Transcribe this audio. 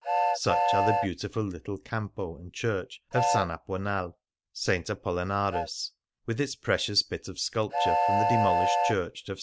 Such are the beautiful little campo and church of S. Aponal (S. Apollinaris), with its precious bit of sculpture from the demolished church of S.